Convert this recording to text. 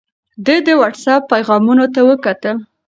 ده د وټس اپ پیغامونو ته وکتل.